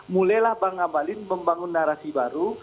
mulailah bang abalin membangun narasi baru